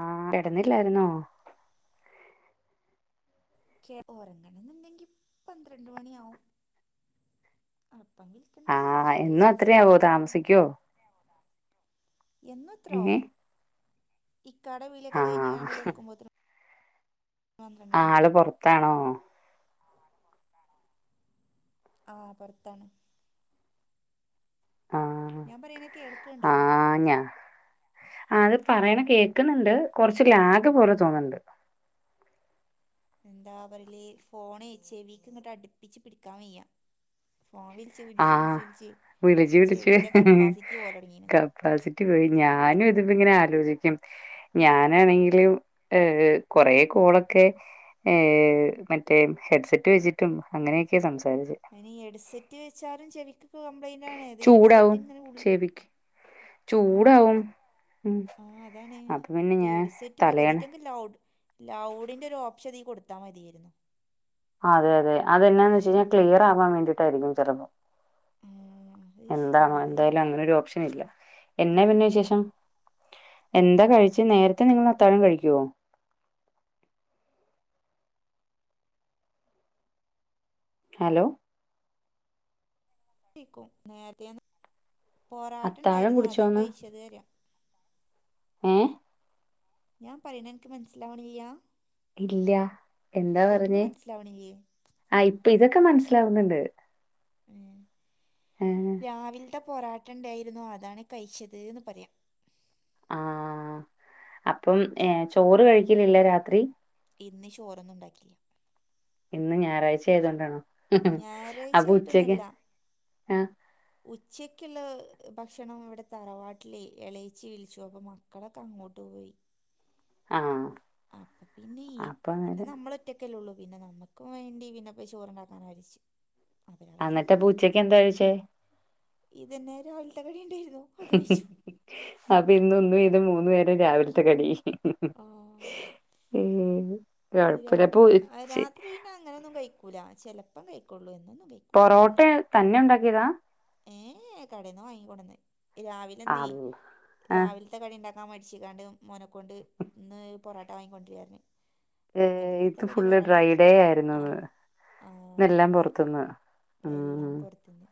ആഹ് കെടന്നില്ലായിരുന്നോ കെ ഉറങ്ങണെന്നുണ്ടെങ്കി പന്ത്രണ്ട് മണിയാവും അപ്പം കലിക്കൊണ്ടോല് ആഹ് വിളിച്ചോട്ടെ എന്നും ചെസ്സ് അത്രയാവോ പറഞ്ഞു തന്നു താമസിക്കോ എന്നും ഇത്രാവും ഏഹ് ഇക്കാടെ വിളിയൊക്കെ കഴിഞ്ഞ് ആഹ് കാണ്ട് കിടക്കുമ്പോത്തിനും പന്തറണ്ടരയ്യാ ആള് പൊറത്താണോ ആഹ് പൊറത്താണ് ആഹ് ഞാൻ പറയണ കേൾക്കുണ്ടോ ആഹ് ഞ്ഞ ആഹ് അത് പറയണ കേക്കണണ്ട് കൊറച്ച് ലാഗ് പോലെ തോന്നണ്ട് എന്താ പറല് ഫോൺേ ചെവിക്ക് ഇങ്ങോട്ട് അടുപ്പിച്ച് പിടിക്കാൻ വയ്യ ഫോണ്വി ളച്ച് വിളച്ചി ആഹ് വിള്ച്ചിളച്ച് വിളിച്ചു വിളിച്ചു ചെവിന്റെ കപ്പാസിറ്റി ഓരടങ്ങീന് കപ്പാസിറ്റി പോയി ഞാനും ഇതിപ്പി ഇങ്ങനെ ആലോചിക്കും ഞാനാണെങ്കിലും ഏഹ് കൊറെ കോളൊക്കെ ഏഹ് മറ്റേ ഹെഡ്സെറ്റ് വച്ചിട്ടും അങ്ങനെയൊക്കെ സംസാരിച്ചെ അയിന് ഹെഡ്സെറ്റ് വെച്ചാലും ചെവിക്കൊക്കെ കംപ്ലൈൻറ് ആണ് അത് ചൂടാവും ഹെഡ്സെറ്റ് ഇങ്ങനെ ഉള്ള ചെവിക്ക് ചൂടാവും ഉം ആഹ് അതാണ് അപ്പൊ പിന്നെ അപ്പോ ഞാൻ ഹെഡ്സെറ്റ് തലയണ മകതിട്ട് ങ്ക് ലൗഡ് ലൗഡിൻ്റെ ഒരു ഓപ്ഷൻ തീ കൊടുത്താ മതിയാരുന്നു അതെ അതെ അതെനാന്ന് വെച്ച് കയിഞ്ഞാൽ ക്ലിയർ ആവാൻ വേണ്ടിട്ടാരിക്കും ചിലപ്പോം ഉം, ഇഷ്, എന്താണോ ഇത് എന്തായാലും അങ്ങനെ ഒരു ഓപ്ഷനില്ല എന്ന പിന്നെ ഉം, വിശേഷം എന്താ കഴിച്ചെ നേരത്തെ നിങ്ങൾ അത്താഴം കഴിക്കുവോ ഹലോ കൈക്കും നേരത്ത അത്താഴം പൊറാട്ടണ്ടായിരുന്നു അതാ കുടിച്ചോന്ന്? കയ്ച്ചത് പറയാ ഏ ഞാൻ പറയണനക്ക് മനസ്സിലാവണില്യാ. ഇല്ല എന്താ പറഞ്ഞേ, മനസ്സിലാവണില്ലേ ആ ഇപ്പ ഇതൊക്കെ മനസ്സിലാവുന്നുണ്ട്. ഉം ഏ രാവിലത്തെ പൊറാട്ട ഇണ്ടായിരുന്നു അതാണ് കഴിച്ചത് ന്ന് പറയാ. ആ അപ്പം എ ചോറ് കഴിക്കലില്ല രാത്രി? ഇന്ന് ചോറൊന്നും ഇണ്ടാക്കില്ല. ഇന്ന് ഞായറാഴ്ച ആയതുകൊണ്ടാണോ? ഞായറാഴ്ച അപ്പൊ ഉച്ചക്ക് ആയിട്ടൊന്നല്ല. ആ ഉച്ചക്കുള്ള ഭക്ഷണം ഇവിടെ തറവാട്ടിലെയ് എളയിച്ചിവിളിച്ചു അപ്പ മക്കളൊക്കെ അങ്ങോട്ട് പോയി. ആഹ അപ്പ പിനേ പിനെ ന്നമ്മള്. റ്റക്കല്ലെ ഒള്ളൂ പിനെ ന്നമ്മക്ക്‌ വേണ്ടി പിനെ പ്പ ചോറുണ്ടാക്കാൻ വരിച്ച്- അന്നട്ട് പ്പഉച്ചക്കെന്താ കഴിച്ചേ? ഇതിനൊരു ഓൾട്ട കുടി ഉണ്ടായിന്നു. ഹ് ഹ് അപ്പൊ ഇന്ന് ഒന്ന് വീതം മൂന്നു നേരം രാവിലത്തെ കടി ഹ് ഹ്. ആ ഉ കൊഴപ്പില്ല പ്പ ഒഴിച്ച്- പിന അങ്ങനൊന്നും കഴിക്കൂല ചെലപ്പം കഴിക്കൊള്ളൂ എന്നൊന്നും കയ്- പൊറോട്ടയാൾ തന്നെ ഉണ്ടാക്കിയതാ? ഏ കടെന്ന് വാങ്ങി കൊടന്നെയ് രാവിലെന്നെ അള്ള ആഹ് രാവിൽ- ഇന്ന്കടിണ്ടാക്കാൻ മടിച്ചിക്കാണ്ട് മേനക്കൊണ്ട് ഇന്ന് പൊറാട്ട വാങ്ങികൊണ്ട്രീ പറഞ്. അങ്ങനെ ഏഹ് ഇന്നത്തെ ഇത് കടി ഫുള്ള് പൊറാട്ട ആക്കി ഡ്രൈഡേ ആ. ആയിരുന്നുന്ന് ആഹ ഇന്നെല്ലാം അതെ പൊറത്തുന്ന് എല്ലാം പൊറത്ത്ന്ന്.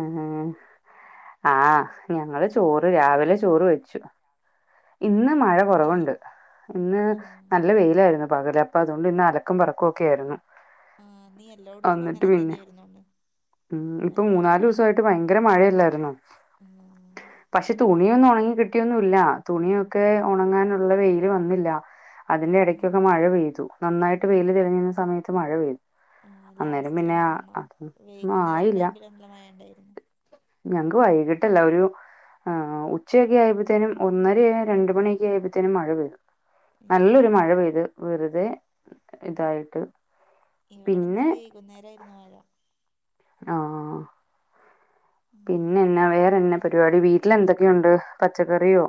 ഉം ഉം ആഹ് ഞങ്ങള് ചോറ് രാവിലെ ചോറ് വെച്ചു ഇന്ന് മഴ- ഏ കുറവുണ്ട് ഇന്ന് ആ നല്ല വെയ്ലായിരുന്നു പകല് അപ്പം അതുകൊണ്ട് ഇന്ന് അലക്കും പറക്കും ഒക്കെ ആയിരുന്നു. ആ ന്നീ എല്ലോട്ത്തും എന്നിട്ട് അങ്ങനെ പിന്നെ തന്നെആയ്ര്ന്നുണ്ട്. ഉം ഇപ്പൊ മൂന്നാ ദിവസായിട്ട് ഭയങ്കര മഴയല്ലായിര്ന്നോ. ആ പഷേ തുണിയൊന്നും ഉണങ്ങി കിട്ടിയൊന്നും ഇല്ല, തുണിയൊക്കെ ഉണങ്ങാനുള്ള വെയ്ല് വന്നില്ല. ആ അതിന്റെ എടയ്ക്കൊക്കെ മഴ പെയ്തു, നന്നായിട്ട് വെയ്ല് തെളിഞ്ഞിരുന്ന സമയത്ത് മഴ പെയ്തു. ആ അന്നേരം ലാസ്റ്റ് പിന്നെ ആ മ അ അതൊന്നും വൈകുന്നേരം ടൈമില് നല്ല മഴ ണ്ടായിരുന്നു. ഞങ്ങ്ക്ക്‌ വൈകിട്ടല്ലായിരുന്നു ആ ഉച്ചൊക്കെ ആയപ്പത്തേനും ഒന്നരയോ രണ്ട് മണിയൊക്കെ ആയപ്പത്തേനും മഴ പെയ്തു. ഏ, നല്ലൊരു ഇവിടെ മഴ പെയ്ത് വെറുതെ ഇതായിട്ട്. ഇവിടെന്നാ പിന്നെ വൈകുന്നേരം ആയിരുന്നു മഴ. ആഹ പിനെ ഉം നാ വേറെനാ പരിവാടി വീട്ടിലെന്തെക്കെയുണ്ട് പച്ചക്കറിയോ.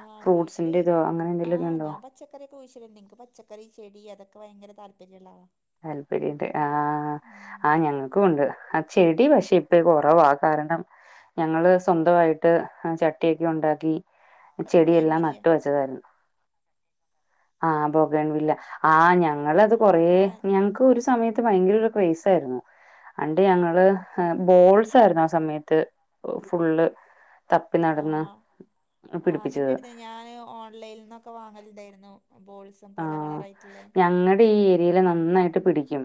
ആഹ വീട്ടില് ഫ്രൂട്ട്സിന്റെ ഇതോ അങ്ങനെ ആഹ എന്തെങ്കിലുമൊക്കെ ഉണ്ടോ? ഞാപച്ച- പച്ചക്കറി ഒക്കെ കുഴിച്ചിടും ന്നിൻക്ക് പച്ചക്കറി ചെടി അതൊക്കെ ഭയങ്ക താല്പര്യള്ള ആളാ. താല്പര്യണ്ട് ആഹ് ഉം ആ ഞങ്ങൾക്കും ഉണ്ട്. ചെടി പക്ഷെ ഇപ്പൊ കുറവാ കാരണം. ഞങ്ങള് സ്വന്തവായിട്ട് ചട്ടിയൊക്കെ ഉണ്ടാക്കി ചെടിയെല്ലാം ബ്രെയിൻവില്ലേ ന്നട്ട് വെച്ച- വേറെൻ ആഹ് ബോകൻവില്ല ആ ആ ഞങ്ങളത് കൊറേ- ഞങ്ങക്ക് ഒരു സമയത്ത് ഭയങ്കര ഒരു പൈസാർന്നു. അണ്ട് ഞങ്ങള് ബോൾസ് ആയിരുന്നു ആ സമയത്ത് ഫുള്ള്. തപ്പി നടന്ന് പിടിപ്പിച്ചത് ഞാന് ഓൺലൈനിൽ നിന്നൊക്കെ വാങ്ങലുണ്ടായിരുന്നു ബോൾസ് ആഹ് ഞങ്ങൾടെ ഈ ഏരിയയിലെ നന്നായിട്ട് പിടിക്കും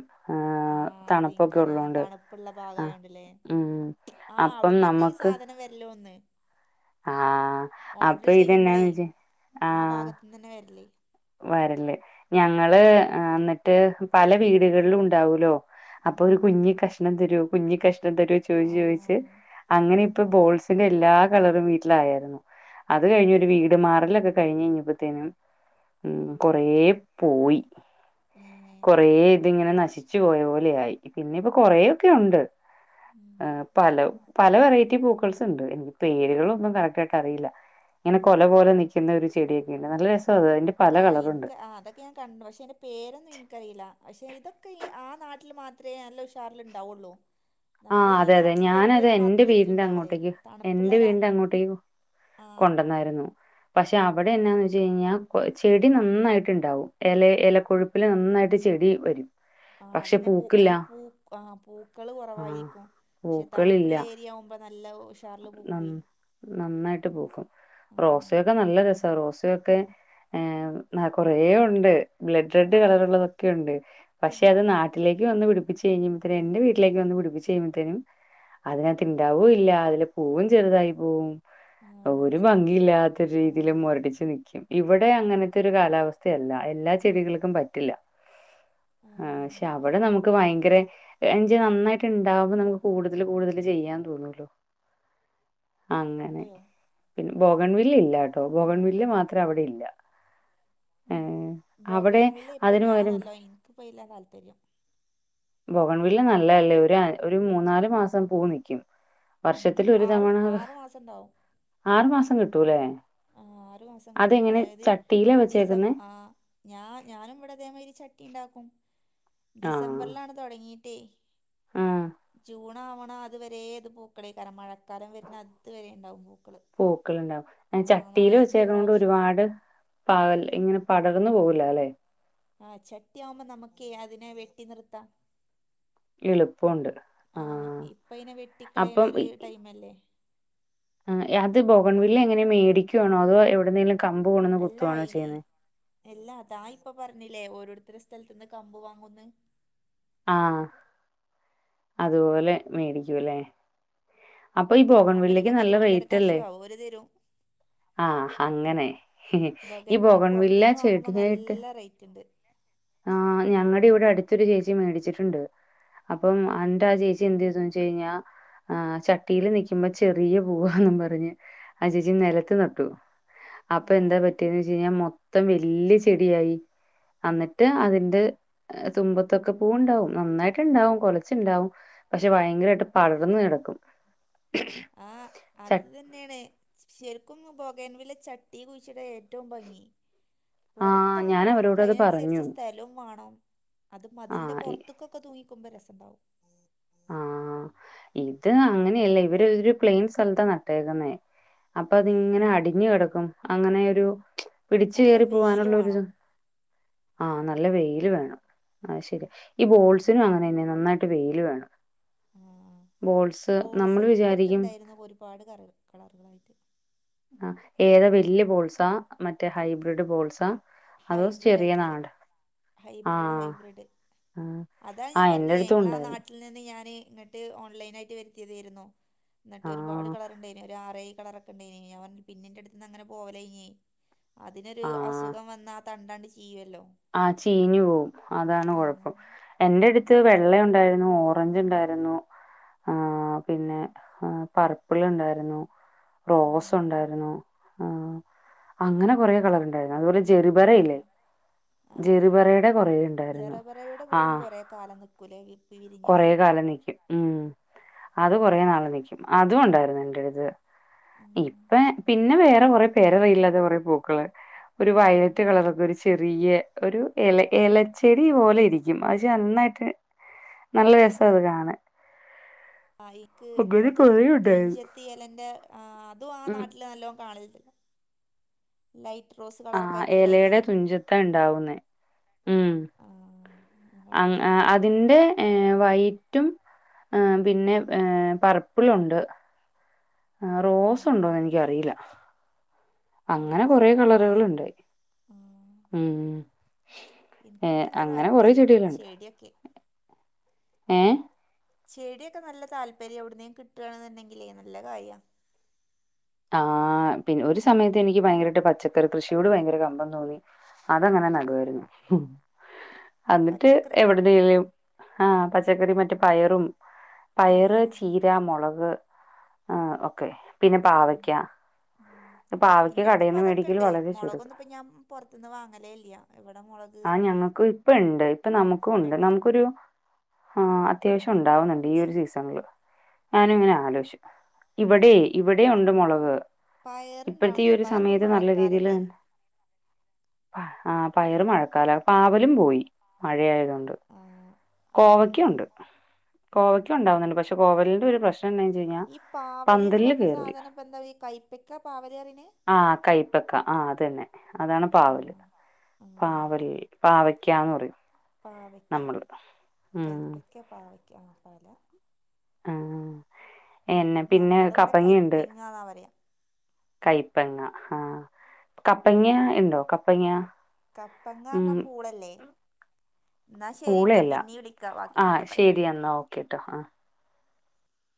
ആഹ് അത് ഇൻക്ക് തണുപ്പൊക്കെ അറിയാം ഉള്ളോണ്ട് തണുപ്പുള്ള ആ ഭാഗായോണ്ടല്ലേ ഉം ആഹ് അപ്പം അവിടന്ന് തന്നെ ഈ നമ്മക്ക് സാധനം വര്ല്ലോന്ന് ആഹ് അപ്പൊ ഇതെന്താന്ന് വെച്ച ആഹ് ഇന്നനെ വരല്ലേ വരല്ലേ ഞങ്ങള് എന്നിട്ട് പല വീടുകളിലും ഉണ്ടാവൂലോ അപ്പൊ ഒരു ഉം കുഞ്ഞി കഷ്ണം തരോ കുഞ്ഞിക്കഷ്ണം തരു ചോദിച്ചു ചോദ്ച്ച് ആഹ് അങ്ങനെ ഇപ്പ ബോൾസിന്റെ എല്ലാ കളറും വീട്ടിലായായിരുന്നു അത് കഴിഞ്ഞൊ ഒരു വീട് മാറലൊക്കെ കഴിഞ്ഞ് കഴിഞ്ഞഴ് ഞ്ഞപ്പോത്തേനും കൊറേ പോയി ഏഹ് കൊറേ ഇതിങ്ങനെ നശിച്ചു പോയ പോലെ ആയി പിന്നെ ഇപ്പൊ കൊറേ ഒക്കെ ഉണ്ട് ഉം പല പല വെറൈറ്റി പൂക്കൾസ്ണ്ട് എനി പേരുകളൊന്നും കറക്റ്റായിട്ട് അറിയില്ല ഇങ്ങനെ കൊല പോലെ നിൽകുന്ന ഒരു ചെടിയൊക്കെ ഉണ്ട് നല്ല രസം അ അതിന്റെ പല ആഹ് കളറുണ്ട് ഇൻക്ക് ആ അതൊക്കെ ഞാൻ കണ്ടു പക്ഷെ ഐന്റെ പേരൊന്നും ഇൻക്കറിയില്ല പക്ഷെ ഇതൊക്കെ ഈ ആ നാട്ടിൽ മാത്രമേ നല്ല ഉഷാറ്ൽ ഉണ്ടാവുള്ളൂ ആഹ് അതെ അതെ ഞാന അത് എൻ്റെ അത്ര ഇതില് വീടിന്റെ ഇണ്ടാവൂലത് അങ്ങോട്ടേക്ക് എന്റെ തണുപ്പുള്ള രാ വീടിന്റെ അങ്ങോട്ടേക്ക് ആഹ് കൊണ്ടന്നായിരുന്നു പക്ഷെ അവിടെ എന്താന്ന് വെച്ച കഴിഞ്ഞാ ചെടി നന്നായിട്ട്ണ്ടാവും ഇല ഇല കൊഴുപ്പ് പിലെ നന്നായിട്ട് ചെടി വരും ആഹ് പക്ഷെ അതന്നെ പൂ പൂക്കില്ല അന് പൂ ആ പൂക്കള് ആഹ് കുറവായിരിക്കും പക്ഷെ പൂക്കളില്ല തണുപ്പുള്ള ഏരിയ ആകുമ്പോ നല്ല ഉഷ് ന നന്നായിട്ട് പോക്കും ആ റോസൊക്കെ നല്ല രസാ റോസൊക്കെ ഏഹ് കൊറേ ഉണ്ട് ബ്ലഡ് ആ റെഡ് കളർ ഉള്ളതൊക്കെ ഉണ്ട് ആ പക്ഷെ അത് നാട്ടിലേക്ക് വന്ന് പിടി പ്പിച്ച് കഴ് [unintelligible] എന്റെ വീട്ടിലേക്ക് വന്ന് പിടിപ്പിച്ച കഴുമ്പത്തേനും അതിനക ഇണ്ടാവു ഇല്ല അതി പൂവും ചെറുതായി പോവും ആ ഒരു അതന്നെ ഭംഗിയില്ലാത്ത ആ രീതിൽ മുരടിച്ചു നിക്കും ഇവിടെ അങ്ങനത്തെ ഒരു കാലാവസ്ഥയല്ല എല്ലാ ചെടികൾക്കും പറ്റില്ല ആ ആഹ് പക്ഷെ അവിടെ ശരിയാ നമുക്ക് ഭയങ്കര എ നന്നായിട്ട്ണ്ടാവുമ്പോ നമുക്ക് കൂടുതൽ കൂടുതൽ ചെയ്യാൻ തോന്നൂല്ലോ അങ്ങനെ പോയോ പിന്നെ ബോഗൺ വില്ല് ഇല്ലാട്ടോ ആ ബോഗൺ വില്ല് മാത്രം അവിടെ ഇല്ല ആഹ് ഏഹ് അവിടെ ബൊഗൈൻവില് ഇപ്പൊ അതിന് പകരം ഞാനല്ല എനിക്ക്പ്പയ്ല്ല താല്പര്യം ബോഗൺ വില നല്ലത്ല്ലേ ഒരു ഒരു മൂന്നാല് മാസം പൂ നിക്കും ഉം വർഷത്തില് ഒരു ആറ് തവണ അത് ആറ് മാസം ഉണ്ടാവും ആറു മാസം കിട്ടൂല്ലേ ആഹ് ആറു മാസം കിട്ടും അതായത് ഡിസം വെച്ചേക്കുന്നേ? ആഹ് ഞാ ഞാനും ഇവിട ഇതേമാതിരി ചട്ടി ഉണ്ടാക്കും ആഹ്. ഡിസംബറിലാണ് തൊടങ്ങിട്ടേ ആഹ്. ജൂൺ ആഹ് ആവണ അതുവരെ ത് പൂക്കളേകാരം മഴക്കാലം വരുന്ന അതുവരെ ഉണ്ടാവും പൂക്കൾ പൂക്കൾണ്ടാവും ചട്ടിയില് വെച്ചേത കൊണ്ട് പ്രാവശ്യം ഒരുപാട് പാകൽ ഇങ്ങനെ പടർന്നു പോകൂല ല്ലെ ആഹ് ചട്ടിയാവുമ്പോ നമുക്കേ അതിനെ വെട്ടി നിർത്താ ആഹ് ഇപ്പയ്നെ വെട്ടിക്കളയ്ണ അപ്പം ഒരു ഇ ടൈം അല്ലേ ആഹ് അത് ബോഗൺവില്ല എങ്ങനെ മേടിക്കുയാണോ അതോ എവിടെന്നെങ്കിലും അല്ലാ ഇ എല്ലാ താ ഇപ്പൊ പറഞ്ഞില്ലേ ഓരോരുത്തരു സ്ഥൽത്ത്ന്ന് കമ്പ് വാങ്ങുന്ന് ആഹ് അതുപോലെ മേടിക്കൂല്ലേ അപ്പൊ ഈ ബോഗൻ വില്ലക്ക് അതൊക്കൊക്കെ നല്ല തൂങ്ങിക്കിടക്കാൻ റേറ്റ്ല്ലേ ഇഷ്യുവാവും ഓര് തരും ആഹ് അങ്ങനെ ഈ ബൊഗൻവില്ല ബോഗൻ വില്ല പുറത്തുന്ന് വാങ്ങുമ്പോ ചെടിയായിട്ട് നല്ല റേറ്റ് ഉണ്ട് ആഹ് ഞങ്ങളുടെ ഇവിടെ അടുത്തൊരു ചേച്ചി മേടിച്ചിട്ടുണ്ട് അപ്പം അന്റെ ചേച്ചി എന്ത് ചെയ്തു വെച്ച കഴിഞ്ഞാൽ ആഹ് ചട്ട ട്ടില് നിക്കുമ്പോ ചെറിയ പൂവാന്നും പറഞ്ഞ് അ ചേച്ചി നിലത്ത് നട്ടു ആ അപ്പൊ എന്താ പറ്റിയന്ന് വെച്ച കഴിഞ്ഞാൽ മൊത്തം വല്യ ചെടിയായി അന്നിട്ട് അതിന്റെ തുമ്പത്തൊക്കെ പൂവ് ഉണ്ടാവും നന്നായിട്ട്ണ്ടാവും കൊലച്ചുണ്ടാവും പക്ഷെ ഭയങ്കരമായിട്ട് പടർന്ന് കിടക്കും ആഹ് ച അത് തന്നെ എന്നന്നെയാണ് ശരിക്കും ബൊഗേൻ വില്ല ചട്ടി കുഴിച്ചിട ഏറ്റവും ഭംഗി ആഹ് പുറത്താവുമ്പോ ഞാൻ നമുക്ക് അവരോട് അത് അതിനനുസരിച്ച് പറഞ്ഞു. സ്ഥലവും വേണം അത് മതിലിന്റെ ആഹ് ഇ പുറത്തൊക്കെ തൂങ്ങിക്കുമ്പോ രസണ്ടാവും ആഹ് ഇത് അങ്ങനെയല്ല ഇവര് പ്ലെയിൻ സ്ഥലത്ത നട്ടേക്കുന്നേ അപ്പൊ ആ, അതിങ്ങനെ അടിഞ്ഞു കിടക്കും അങ്ങനെരു പിടിച്ചു നല്ല കയറി വെയിൽ പോവാനുള്ളരു വേണം ആഹ് നല്ല വെയില് വേണം ആ ശരിയാ ഈ ഉം. ബോൾസിനും അങ്ങനെ തന്നെ നന്നായിട്ട് വെയില് വേണം ആഹ് ബോൾസ് നമ്മൾ വിചാരിക്കും ബോൾസൽൻ്റെട്ത്ത്ണ്ടായിര്ന്നു ഒരുപാട് കരൾ കളറുകളായിട്ട്. ആഹ് ഏതാ വെല്ല്യ ബോൾസാ മറ്റേ ഹൈബ്രിഡ് ബോൾസാ അതോ ഹൈബ്രിഡ് ചെറിയ അയിട്ട്ല്ലേ നാടൻ ഹൈബ്രേഡ് ആഹ് ഹൈബ്രിഡ് ആഹ് അതാ ഞാൻ ആഹ് എന്റെ പറഞ്ഞില്ലേ അടുത്തും ഞങ്ങളാന്നാട്ട് ഉണ്ടായിരുന്നു ട്ടിൽ നിന്ന് ഞാന് ഇങ്ങട്ട് ഓൺലൈനായിട്ട് വരുത്തിയതെര്ന്നു ന്ന്ട്ട് ഒരുപാട് ആഹ് കളറുണ്ടായിന് ഒരാറേഴ് കളറൊക്കെണ്ടെയിന് ഞാൻ പർഞ്ഞു പിന്നെന്റെടുത്ത്ന്നങ്ങനെ പോവലെയ്നി. അതിനൊരു അസുഖം വന്നാ ആഹ് തണ്ടാണ്ട് ചീയ്യെല്ലോ ആഹ് ചീഞ്ഞ് പോവും അതാണ് കൊഴപ്പം. എന്റെ അടുത്ത് വെള്ള ഉണ്ടായിരുന്നു ഓറഞ്ച് ഉണ്ടായിരുന്നു ആഹ് പിന്നെ അഹ് പറപ്പിൾണ്ടായിര്ന്നു റോസ് ഉം, ഉണ്ടായിരുന്നു ആഹ് അങ്ങനെ കൊറെ കളർണ്ടായിന്നു അത്പോലെ ജി ജെറു പറയില്ലേ ഉം. ആ ജറബറ ജെറപറയുടെ കൊറേണ്ടായിര്ന്നു ജറബറയുടെ പൂവും ആഹ് കുറേ കാലം നിൽക്കൂലേ വി- കൊറെ വിരിഞ്ഞാല് കാലം ന്നിക്കും ഉം അത് കൊറെ ന്നാള് ന്നിക്കും അതുംഉണ്ടായിര്ന്നു എന്റെട്ത് ഉം, ഇപ്പ പിന്നെ പിന്നെ വേറെ കൊറെപേരെറിയില്ലാത കുറെ പൂക്കള് ഒരു ഉം. വയലറ്റ് കളറൊക്കെ ഒരു ചെറിയെ ഒരു എല എലച്ചെടി പോലെ ഇരിക്കും പഷെ ന്നന്നായ്ട്ട് ന്നല്ല രസഅത് കാണൻ അയിക്ക് എൻസാ തുൻ കൊറേ ഉണ്ടായിരുന്നു തുഞ്ചത്തിയെലന്റെ ആഹ് അതും ആഹ് ഉം ന്നാട്ടില് ന്നല്ലോം കാണല്ല്ണ്ട് ലൈറ്റ് റോസ് ആ കളർക്കായിട്ടുള്ള ഇലയുടെ അരിയെ തുഞ്ചത്താ ഉണ്ടാവുന്നേ ആഹ് അങ്ങ് ആഹ് അടത് എന്റെ എഹ് വൈറ്റും പിന്നെ പർപ്പിളുണ്ട് ആഹ് റോസ് ആഹ് ഉണ്ടോന്ന് എനിക്കറില നല്ല അങ്ങനെ രസാ കൊറെ കാണാന് കളറുകളുണ്ട് ആഹ് ഉം ഏഹ് അങ്ങനെ കൊറെ ചെടികള് ഉണ്ട് വടിയൊക്കെ ഏഹ് ചെടിയൊക്കെ ന്നല്ല താല്പര്യാ എവ്ട്ന്നേം കിട്ടാണ്ന്ന് ന്ന്ണ്ടെങ്കിലേ ന്നല്ല കായ്യാ. ആഹ് പിൻ ഒരു സമയത്ത് എനിക്ക് ഭയങ്കരട്ട് പച്ചക്കറി കൃഷിയോട് ഭയങ്കര കമ്പം തോന്നി. അതങ്ങനെ ന്നടുവായിര്ന്നു അന്നിട്ട് പച്ചക്കറി എവ്ട്ന്നെലും ആഹ് പച്ചക്കറി മറ്റേ പയറും പയറ്, ആഹ് ചീര, മൊളക് ആഹ് ഒക്കെ പിന്നെ പാവക് ഉം കടേന്ന് മേടിക്കല് ഇന്റെട്ത്ത്പ്പതൊക്കെണ്ട് വളരെ ചുരുക്കാ. മുളകൊന്ന് ഇപ്പ ഞം പൊർത്ത്ന്ന് വാങ്ങലേല്ല്യ ഇവടെ മൊളക്. ആഹ് ഞങ്ങക്കു ഇപ്പണ്ട് ഇപ്പൊ ന്നമുക്കുണ്ട് വെണ്ട ന്നമുക്കൊരു ആഹ് അത്യാവ്ശം ഉണ്ടാവുന്നുണ്ട് ഈ ഒരു സീസണില് ഞാനിങ്ങനെ ആലോയ്ച്ചു ഇവടെ ഇവടെ ഉണ്ട് ആഹ് മോളക്. ഇപ്പോത്തെ ഈ പയറുണ്ടാവണില്ല ഒരു പയറിപ്പ സമയത്ത് ന്നല്ല രീതിയില് മഴക്കാലല്ലേ തന്നെ ആഹ് പയറ് മഴക്കാല പാവലും പോയി മഴയായതൊ ണ്ട്, ആഹ് ആഹ് കോവക്കയുണ്ട് ആഹ് കോവക്കയുണ്ടാവുന്നുണ്ട് പഷെ കോവൽന്റോരു പ്രശ് തന്നെ ചെയ്യാം ഈ പാവലിന്ന് പർണേ സാധനംപ്പെന്താഈ കൈപ്പക്ക പാവല്റിണേ? ആഹ് കൈപ്പക്ക ആഹ് അതെന്നെ അതാണ് പാവല്. ആഹ് ആഹ് പാവൽ പാവയ്ക്കാന്ന് പറയും. പാവക്ക്യ, നമ്മള് ഉം കയ്പ്പക്ക്യ പാവയ്ക്യ ആഹ് പല ആഹ് എന്ന പിന്നെ കപ്പങ്യു ണ്ട്. ന്നാ പറയാ കയ്പ്പങ്ങ, ഹാഹ് കപ്പങ്ങ്യ ഇണ്ടോ കപ്പങ്ങ്യ? കപ്പങ്ങാർഞ്ഞാ പൂളല്ലേ. ന്നാ ശെരിട്ടോ പിന്നി വിളിക്കാ വാക്കി പിന്നെ പറയാ. യെന്നാ ഓ കേട്ടോ ആഹ്.